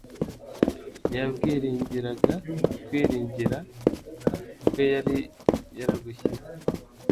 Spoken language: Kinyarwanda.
ntiyabwiringiraga. Ukwiringira kwe yari yaragushyize